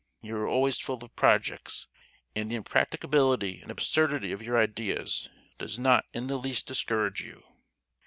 You are always full of projects; and the impracticability and absurdity of your ideas does not in the least discourage you.